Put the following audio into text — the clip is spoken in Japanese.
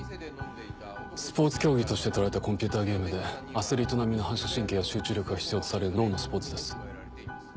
スポーツ競技として捉えたコンピューターゲームでアスリート並みの反射神経や集中力が必要とされる脳のスポーツです。